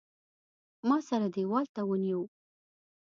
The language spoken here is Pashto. ما سره دېوال ته ونیو.